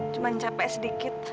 cuman capek sedikit